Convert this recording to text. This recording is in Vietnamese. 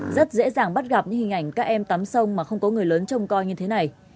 rất dễ dàng bắt gặp những hình ảnh các em tắm sông mà không có người lớn trông coi như thế này